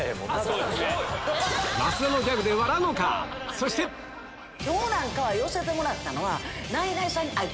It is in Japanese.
そして今日なんかは寄せてもらったのは。